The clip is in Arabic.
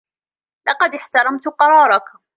لقد احترمت قرارك.